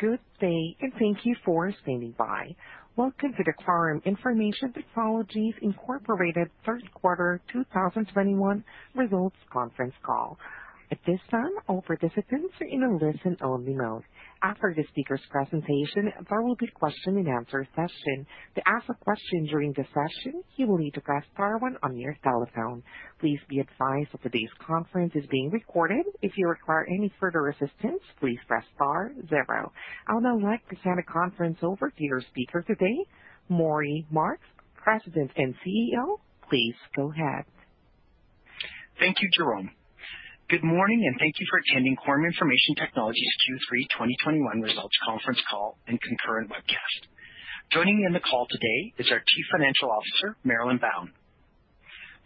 Good day, and thank you for standing by. Welcome to the Quorum Information Technologies Inc. third quarter 2021 results conference call. At this time, all participants are in a listen only mode. After the speaker's presentation, there will be a question and answer session. To ask a question during the session, you will need to press star one on your telephone. Please be advised that today's conference is being recorded. If you require any further assistance, please press star zero. I would now like to turn the conference over to your speaker today, Maury Marks, President and CEO. Please go ahead. Thank you, Jerome. Good morning, and thank you for attending Quorum Information Technologies' Q3 2021 results conference call and concurrent webcast. Joining me on the call today is our Chief Financial Officer, Marilyn Bown.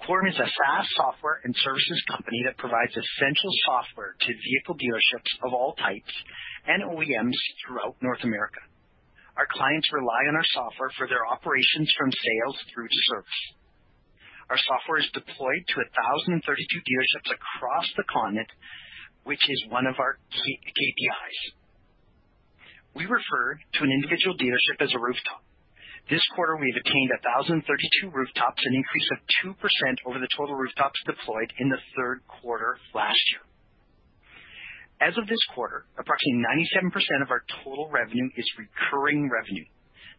Quorum is a SaaS software and services company that provides essential software to vehicle dealerships of all types and OEMs throughout North America. Our clients rely on our software for their operations from sales through to service. Our software is deployed to 1,032 dealerships across the continent, which is one of our KPIs. We refer to an individual dealership as a rooftop. This quarter, we have attained 1,032 rooftops, an increase of 2% over the total rooftops deployed in the third quarter last year. As of this quarter, approximately 97% of our total revenue is recurring revenue.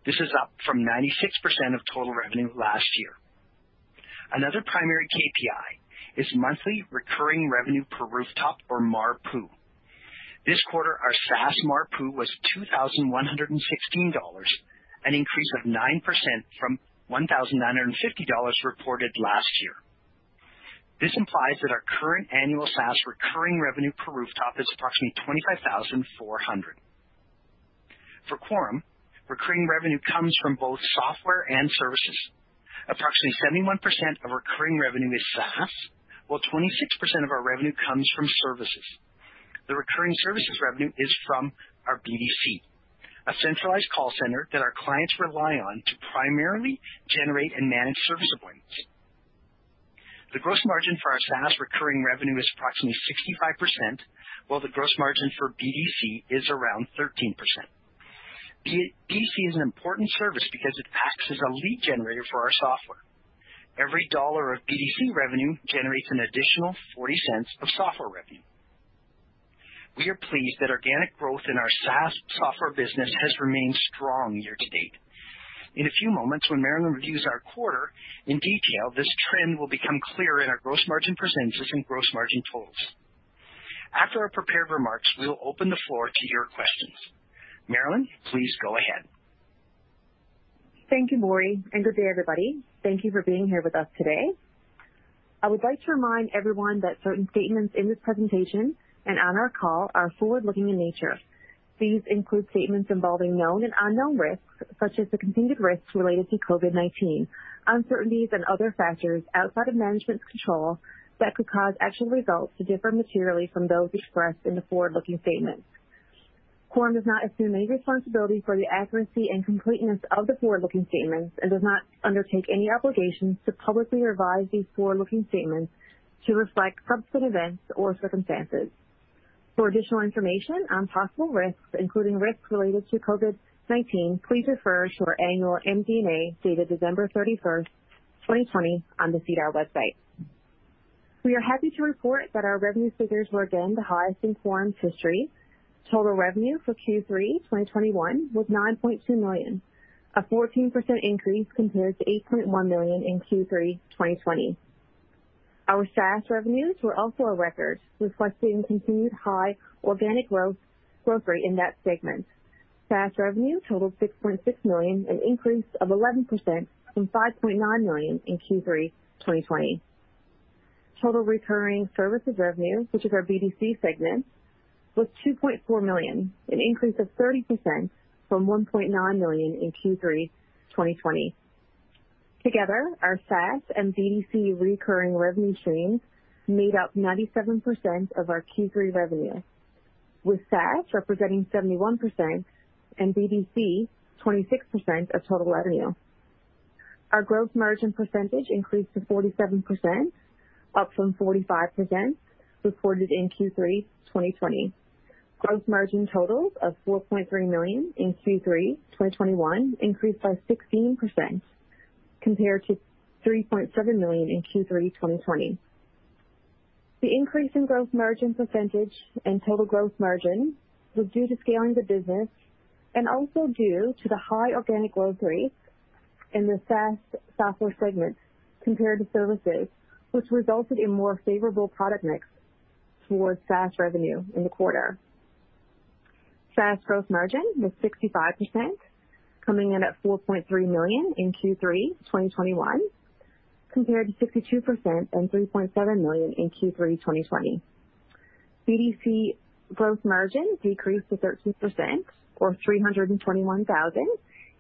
This is up from 96% of total revenue last year. Another primary KPI is monthly recurring revenue per rooftop, or MRR PU. This quarter, our SaaS MRR PU was 2,116 dollars, an increase of 9% from 1,950 dollars reported last year. This implies that our current annual SaaS recurring revenue per rooftop is approximately 25,400. For Quorum, recurring revenue comes from both software and services. Approximately 71% of recurring revenue is SaaS, while 26% of our revenue comes from services. The recurring services revenue is from our BDC, a centralized call center that our clients rely on to primarily generate and manage service appointments. The gross margin for our SaaS recurring revenue is approximately 65%, while the gross margin for BDC is around 13%. BDC is an important service because it acts as a lead generator for our software. Every dollar of BDC revenue generates an additional 0.40 of software revenue. We are pleased that organic growth in our SaaS software business has remained strong year to date. In a few moments, when Marilyn reviews our quarter in detail, this trend will become clear in our gross margin percentages and gross margin totals. After our prepared remarks, we will open the floor to your questions. Marilyn, please go ahead. Thank you, Maury, and good day, everybody. Thank you for being here with us today. I would like to remind everyone that certain statements in this presentation and on our call are forward-looking in nature. These include statements involving known and unknown risks, such as the continued risks related to COVID-19, uncertainties and other factors outside of management's control that could cause actual results to differ materially from those expressed in the forward-looking statements. Quorum does not assume any responsibility for the accuracy and completeness of the forward-looking statements and does not undertake any obligations to publicly revise these forward-looking statements to reflect subsequent events or circumstances. For additional information on possible risks, including risks related to COVID-19, please refer to our annual MD&A dated December 31st, 2020 on the SEDAR website. We are happy to report that our revenue figures were again the highest in Quorum's history. Total revenue for Q3 2021 was 9.2 million, a 14% increase compared to 8.1 million in Q3 2020. Our SaaS revenues were also a record, reflecting continued high organic growth rate in that segment. SaaS revenue totaled 6.6 million, an increase of 11% from 5.9 million in Q3 2020. Total recurring services revenue, which is our BDC segment, was 2.4 million, an increase of 30% from 1.9 million in Q3 2020. Together, our SaaS and BDC recurring revenue streams made up 97% of our Q3 revenue, with SaaS representing 71% and BDC 26% of total revenue. Our gross margin percentage increased to 47%, up from 45% reported in Q3 2020. Gross margin totals of 4.3 million in Q3 2021 increased by 16% compared to 3.7 million in Q3 2020. The increase in gross margin percentage and total gross margin was due to scaling the business and also due to the high organic growth rate in the SaaS software segment compared to services, which resulted in more favorable product mix towards SaaS revenue in the quarter. SaaS gross margin was 65%, coming in at 4.3 million in Q3 2021, compared to 62% and 3.7 million in Q3 2020. BDC gross margin decreased to 13% or 321,000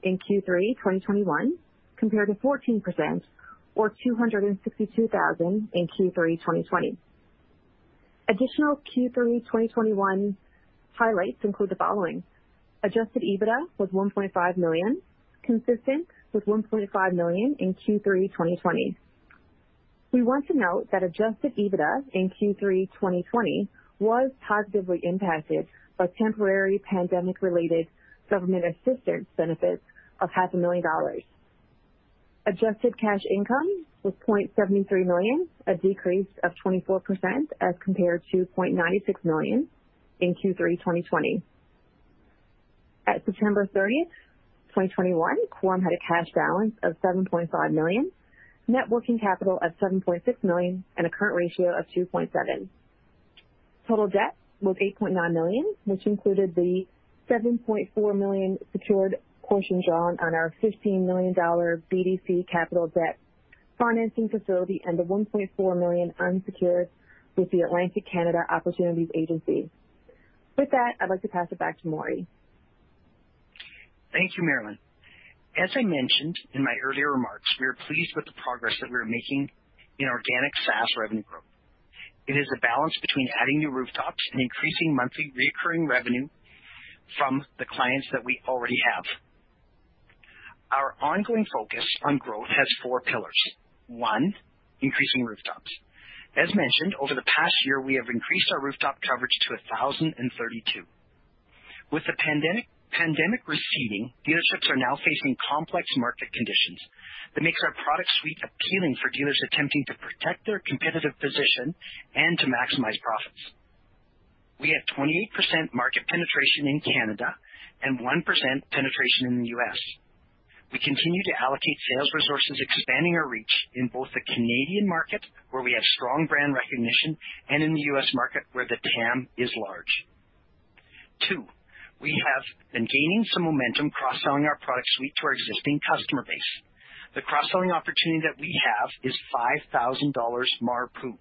in Q3 2021, compared to 14% or 262,000 in Q3 2020. Additional Q3 2021 highlights include the following. Adjusted EBITDA was 1.5 million, consistent with 1.5 million in Q3 2020. We want to note that adjusted EBITDA in Q3 2020 was positively impacted by temporary pandemic-related government assistance benefits of half a million CAD. Adjusted cash income was 0.73 million, a decrease of 24% as compared to 0.96 million in Q3 2020. At September 30, 2021, Quorum had a cash balance of 7.5 million, net working capital of 7.6 million, and a current ratio of 2.7. Total debt was 8.9 million, which included the 7.4 million secured portion drawn on our 15 million dollar BDC Capital debt financing facility and the 1.4 million unsecured with the Atlantic Canada Opportunities Agency. With that, I'd like to pass it back to Maury. Thank you, Marilyn. As I mentioned in my earlier remarks, we are pleased with the progress that we are making in organic SaaS revenue growth. It is a balance between adding new rooftops and increasing monthly recurring revenue from the clients that we already have. Our ongoing focus on growth has four pillars. One, increasing rooftops. As mentioned, over the past year, we have increased our rooftop coverage to 1,032. With the pandemic receding, dealerships are now facing complex market conditions that makes our product suite appealing for dealers attempting to protect their competitive position and to maximize profits. We have 28% market penetration in Canada and 1% penetration in the U.S. We continue to allocate sales resources, expanding our reach in both the Canadian market, where we have strong brand recognition, and in the U.S. market, where the TAM is large. Two, we have been gaining some momentum cross-selling our product suite to our existing customer base. The cross-selling opportunity that we have is 5,000 dollars MARPU,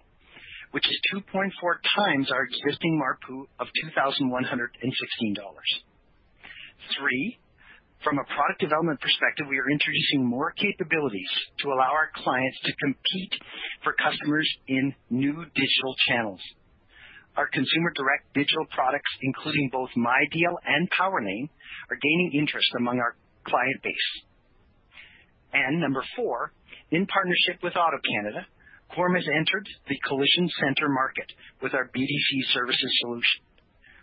which is 2.4x our existing MARPU of 2,116 dollars. Three, from a product development perspective, we are introducing more capabilities to allow our clients to compete for customers in new digital channels. Our consumer direct digital products, including both MyDeal and PowerLane, are gaining interest among our client base. Number four, in partnership with AutoCanada, Quorum has entered the collision center market with our BDC services solution.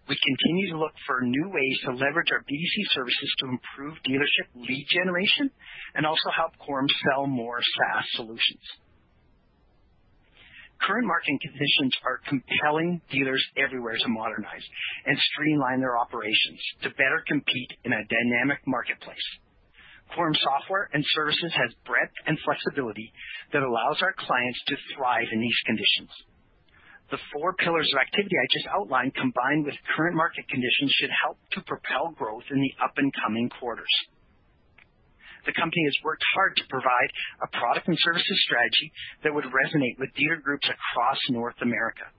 We continue to look for new ways to leverage our BDC services to improve dealership lead generation and also help Quorum sell more SaaS solutions. Current market conditions are compelling dealers everywhere to modernize and streamline their operations to better compete in a dynamic marketplace. Quorum Software and Services has breadth and flexibility that allows our clients to thrive in these conditions. The four pillars of activity I just outlined, combined with current market conditions, should help to propel growth in the up and coming quarters. The company has worked hard to provide a product and services strategy that would resonate with dealer groups across North America.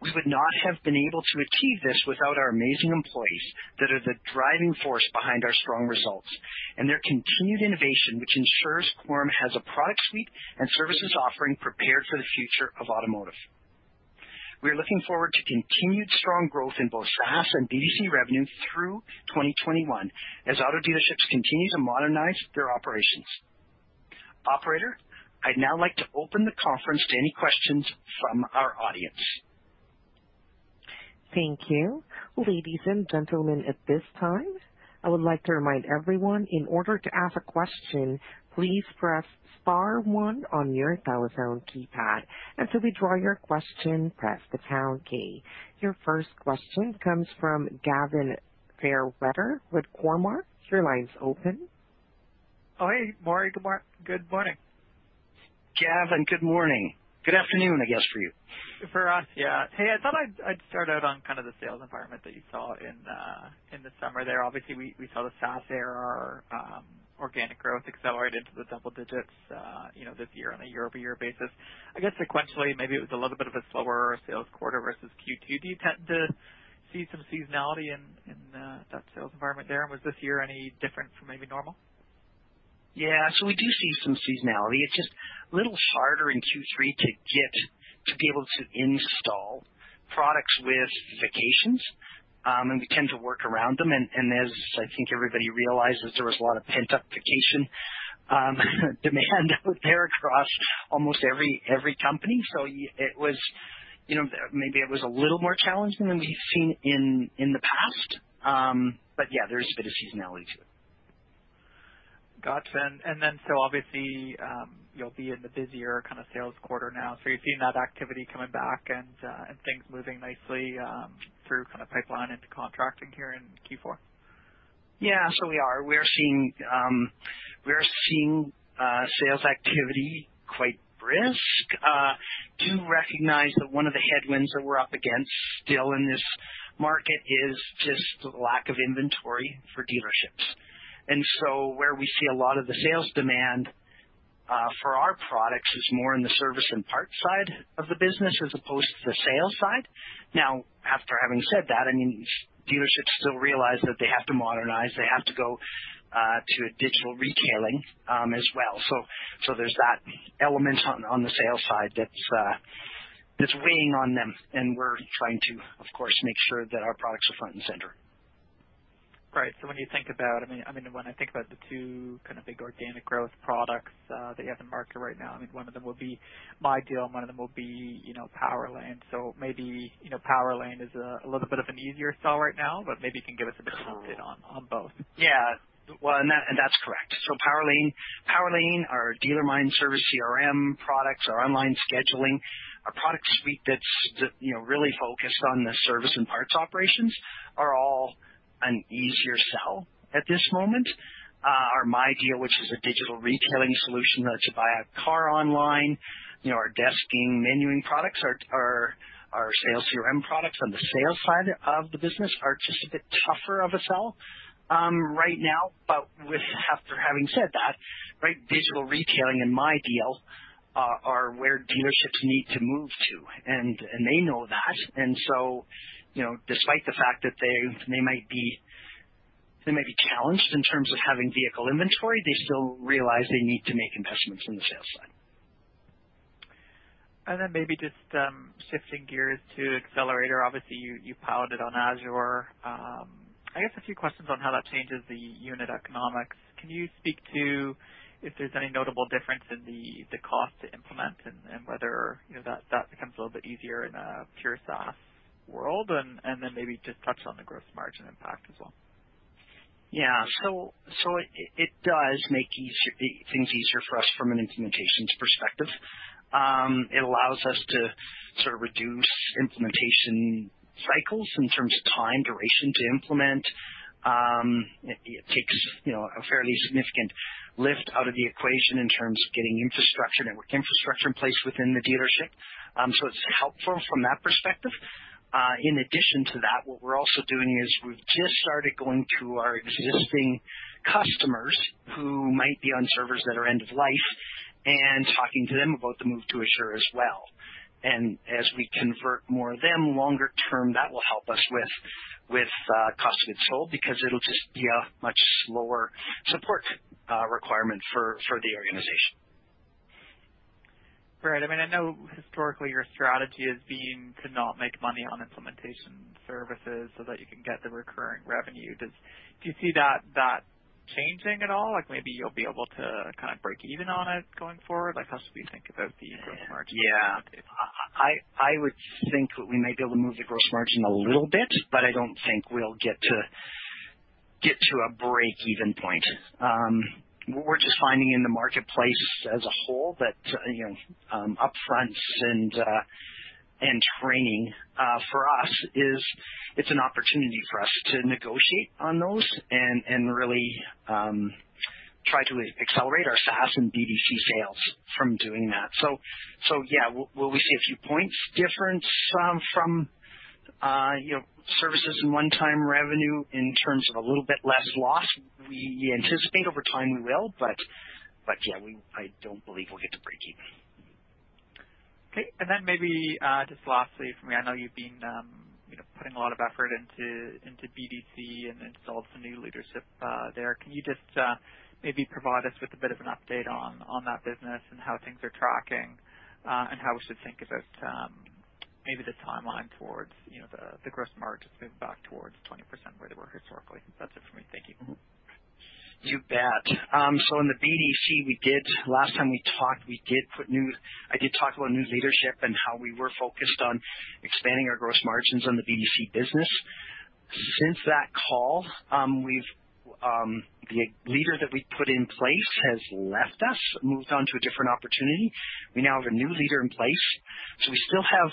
We would not have been able to achieve this without our amazing employees that are the driving force behind our strong results and their continued innovation, which ensures Quorum has a product suite and services offering prepared for the future of automotive. We are looking forward to continued strong growth in both SaaS and BDC revenue through 2021 as auto dealerships continue to modernize their operations. Operator, I'd now like to open the conference to any questions from our audience. Thank you. Ladies and gentlemen, at this time, I would like to remind everyone in order to ask a question, please press star one on your telephone keypad, and to withdraw your question, press the pound key. Your first question comes from Gavin Fairweather with Cormark. Your line's open. Oh, hey, Maury. Good morning. Gavin, good morning. Good afternoon, I guess for you. For us, yeah. Hey, I thought I'd start out on kind of the sales environment that you saw in the summer there. Obviously, we saw the SaaS ARR organic growth accelerated to the double digits, you know, this year on a year-over-year basis. I guess sequentially, maybe it was a little bit of a slower sales quarter versus Q2. Do you tend to see some seasonality in that sales environment there? Was this year any different from maybe normal? Yeah. We do see some seasonality. It's just a little harder in Q3 to get to be able to install products with vacations, and we tend to work around them. As I think everybody realizes, there was a lot of pent-up vacation demand out there across almost every company. It was, you know, maybe it was a little more challenging than we've seen in the past. Yeah, there's a bit of seasonality to it. Gotcha. Obviously, you'll be in the busier kind of sales quarter now. You're seeing that activity coming back and things moving nicely through kind of pipeline into contracting here in Q4? Yeah. We are seeing sales activity quite brisk. Do recognize that one of the headwinds that we're up against still in this market is just the lack of inventory for dealerships. Where we see a lot of the sales demand for our products is more in the service and parts side of the business as opposed to the sales side. Now, after having said that, I mean, dealerships still realize that they have to modernize, they have to go to a digital retailing as well. There's that element on the sales side that's weighing on them and we're trying to, of course, make sure that our products are front and center. Right. When you think about, I mean, when I think about the two kind of big organic growth products, that you have in the market right now, I mean, one of them will be MyDeal, and one of them will be, you know, PowerLane. Maybe, you know, PowerLane is a little bit of an easier sell right now, but maybe you can give us a bit of an update on both. Yeah. Well, and that, and that's correct. PowerLane, our DealerMine CRM service CRM products, our online scheduling, our product suite that you know really focused on the service and parts operations are all an easier sell at this moment. Our MyDeal, which is a digital retailing solution that lets you buy a car online, you know, our desking, menuing products, our sales CRM products on the sales side of the business are just a bit tougher of a sell right now. But after having said that, right, digital retailing and MyDeal are where dealerships need to move to, and they know that. You know, despite the fact that they might be challenged in terms of having vehicle inventory, they still realize they need to make investments in the sales side. Maybe just shifting gears to XSellerator. Obviously, you piloted on Azure. I guess a few questions on how that changes the unit economics. Can you speak to if there's any notable difference in the cost to implement and whether you know that becomes a little bit easier in a pure SaaS world? Maybe just touch on the gross margin impact as well. Yeah. It does make things easier for us from an implementations perspective. It allows us to sort of reduce implementation cycles in terms of time duration to implement. It takes, you know, a fairly significant lift out of the equation in terms of getting infrastructure, network infrastructure in place within the dealership. It's helpful from that perspective. In addition to that, what we're also doing is we've just started going to our existing customers who might be on servers that are end of life and talking to them about the move to Azure as well. As we convert more of them longer term, that will help us with cost of goods sold because it'll just be a much lower support requirement for the organization. Right. I mean, I know historically your strategy has been to not make money on implementation services so that you can get the recurring revenue. Do you see that changing at all? Like maybe you'll be able to kind of break even on it going forward? Like, how should we think about the gross margin going forward? Yeah. I would think we may be able to move the gross margin a little bit, but I don't think we'll get to a breakeven point. What we're just finding in the marketplace as a whole is that you know, upfront and training for us is. It's an opportunity for us to negotiate on those and really try to accelerate our SaaS and BDC sales from doing that. Yeah, will we see a few points difference from you know, services and one-time revenue in terms of a little bit less loss? We anticipate over time we will, but yeah, I don't believe we'll get to breakeven. Okay. Maybe just lastly from me, I know you've been you know putting a lot of effort into BDC and installed some new leadership there. Can you just maybe provide us with a bit of an update on that business and how things are tracking and how we should think about maybe the timeline toward you know the gross margin to move back toward 20% where they were historically? That's it for me. Thank you. You bet. In the BDC, last time we talked, I did talk about new leadership and how we were focused on expanding our gross margins on the BDC business. Since that call, we've the leader that we put in place has left us, moved on to a different opportunity. We now have a new leader in place. We still have,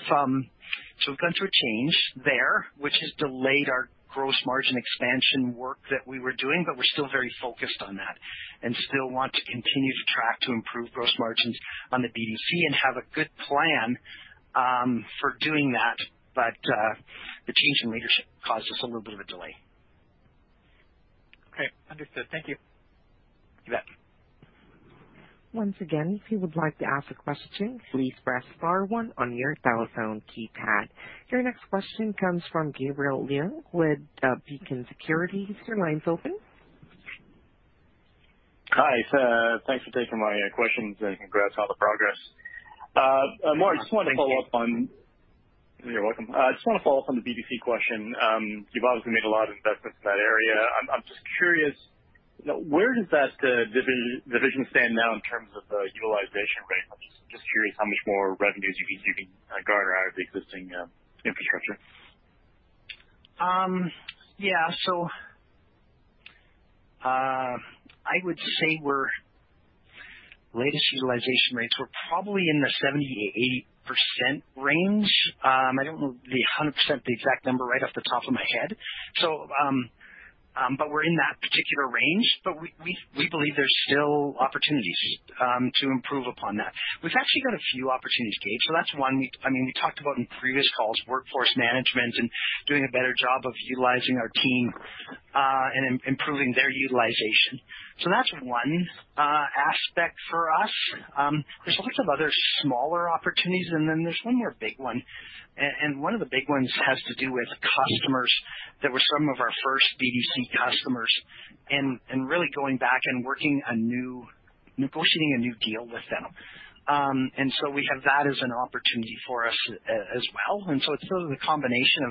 we've gone through a change there, which has delayed our gross margin expansion work that we were doing, but we're still very focused on that and still want to continue to track to improve gross margins on the BDC and have a good plan for doing that. The change in leadership caused us a little bit of a delay. Okay. Understood. Thank you. You bet. Once again, if you would like to ask a question, please press star one on your telephone keypad. Your next question comes from Gabriel Leung with Beacon Securities. Your line's open. Hi, sir. Thanks for taking my questions, and congrats on all the progress. Thank you. Maury, you're welcome. I just want to follow up on the BDC question. You've obviously made a lot of investments in that area. I'm just curious, you know, where does that division stand now in terms of utilization rate? I'm just curious how much more revenues you think you can garner out of the existing infrastructure. I would say our latest utilization rates were probably in the 70%-80% range. I don't know 100% the exact number right off the top of my head. We're in that particular range. We believe there's still opportunities to improve upon that. We've actually got a few opportunities, Gabe. That's one. I mean, we talked about in previous calls, workforce management and doing a better job of utilizing our team, and improving their utilization. That's one aspect for us. There's all sorts of other smaller opportunities, and then there's one more big one. One of the big ones has to do with customers that were some of our first BDC customers, and really going back and negotiating a new deal with them. We have that as an opportunity for us as well. It's sort of the combination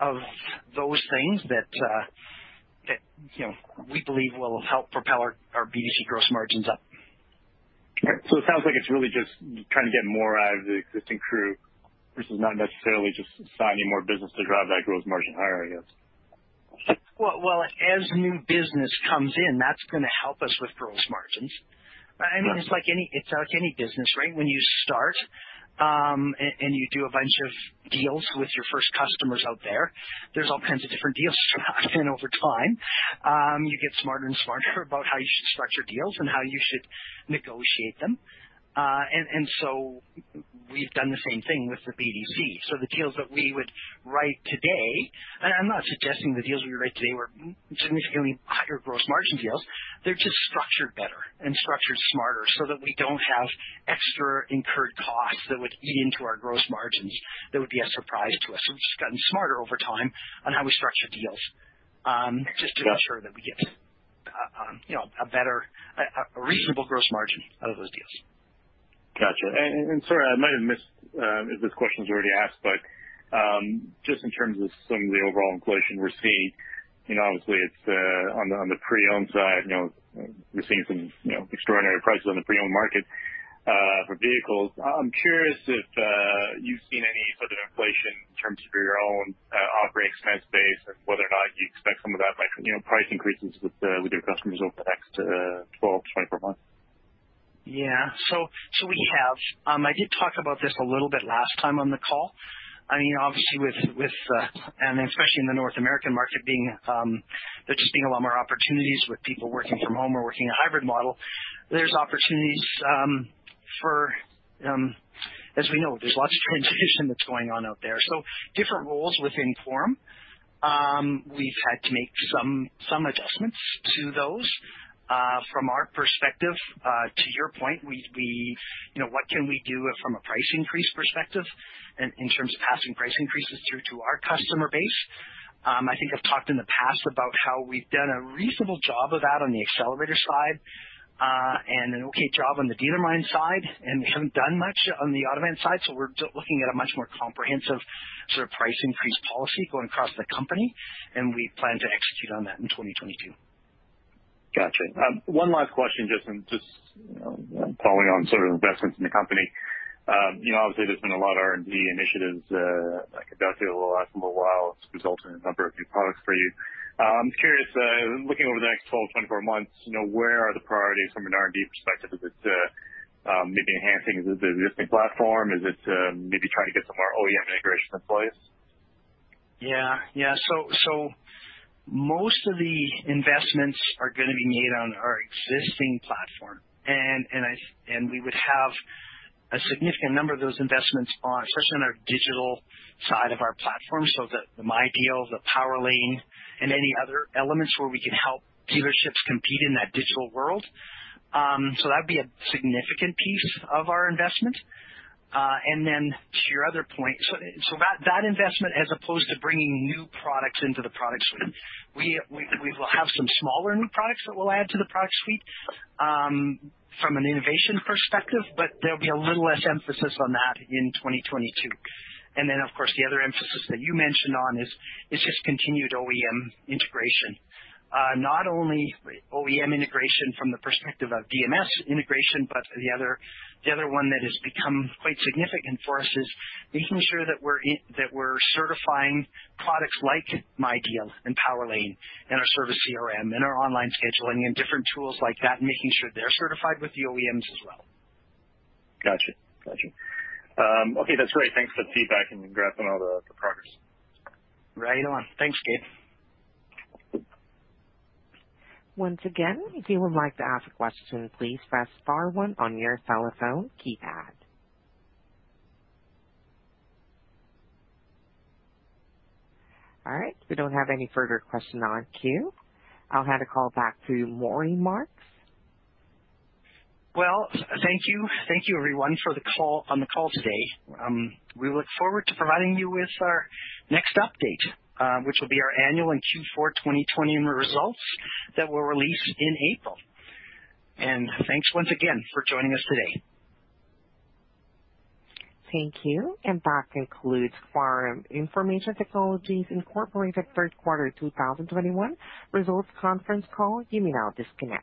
of those things that you know we believe will help propel our BDC gross margins up. It sounds like it's really just trying to get more out of the existing crew versus not necessarily just signing more business to drive that gross margin higher, I guess. Well, as new business comes in, that's gonna help us with gross margins. I mean, it's like any business, right? When you start, and you do a bunch of deals with your first customers out there's all kinds of different deals struck. Over time, you get smarter and smarter about how you should structure deals and how you should negotiate them. We've done the same thing with the BDC. The deals that we would write today, I'm not suggesting the deals we write today were significantly higher gross margin deals. They're just structured better and structured smarter so that we don't have extra incurred costs that would eat into our gross margins that would be a surprise to us. We've just gotten smarter over time on how we structure deals, just to ensure that we get, you know, a better, a reasonable gross margin out of those deals. Gotcha. Sorry, I might have missed if this question was already asked, but just in terms of some of the overall inflation we're seeing, you know, obviously it's on the pre-owned side, you know, we're seeing some, you know, extraordinary prices on the pre-owned market for vehicles. I'm curious if you've seen any sort of inflation in terms of your own operating expense base and whether or not you expect some of that might price increases with your customers over the next 12-24 months. Yeah. We have. I did talk about this a little bit last time on the call. I mean, obviously with and especially in the North American market being, there just being a lot more opportunities with people working from home or working a hybrid model, there's opportunities for, as we know, there's lots of transition that's going on out there. Different roles within Quorum, we've had to make some adjustments to those. From our perspective, to your point, we, you know, what can we do from a price increase perspective in terms of passing price increases through to our customer base? I think I've talked in the past about how we've done a reasonable job of that on the Autovance side, and an okay job on the DealerMine side, and we haven't done much on the Automate side, so we're looking at a much more comprehensive sort of price increase policy going across the company, and we plan to execute on that in 2022. Gotcha. One last question, just, you know, following on sort of investments in the company. You know, obviously there's been a lot of R&D initiatives conducted over the last little while. It's resulted in a number of new products for you. I'm curious, looking over the next 12, 24 months, you know, where are the priorities from an R&D perspective? Is it maybe enhancing the existing platform? Is it maybe trying to get some more OEM integration in place? Most of the investments are gonna be made on our existing platform. We would have a significant number of those investments, especially on our digital side of our platform. The MyDeal, the PowerLane and any other elements where we can help dealerships compete in that digital world. That'd be a significant piece of our investment. To your other point, that investment as opposed to bringing new products into the product suite. We will have some smaller new products that we'll add to the product suite, from an innovation perspective, but there'll be a little less emphasis on that in 2022. Of course, the other emphasis that you mentioned on is just continued OEM integration. Not only OEM integration from the perspective of DMS integration, but the other one that has become quite significant for us is making sure that we're certifying products like MyDeal and PowerLane and our service CRM and our online scheduling and different tools like that, making sure they're certified with the OEMs as well. Gotcha. Okay, that's great. Thanks for the feedback and congrats on all the progress. Right on. Thanks, Gabe. Once again, if you would like to ask a question, please press star one on your telephone keypad. All right. We don't have any further questions in queue. I'll hand the call back to Maury Marks. Well, thank you. Thank you, everyone, on the call today. We look forward to providing you with our next update, which will be our annual and Q4 2020 results that we'll release in April. Thanks once again for joining us today. Thank you. That concludes Quorum Information Technologies Inc. third quarter 2021 results conference call. You may now disconnect.